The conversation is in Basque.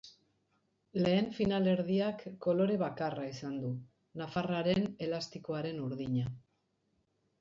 Lehen finalerdiak kolore bakarra izan du, nafarraren elastikoaren urdina.